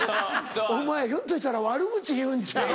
お前ひょっとしたら悪口言うんちゃう？